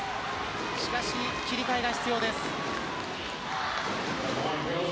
しかし、切り替えが必要です。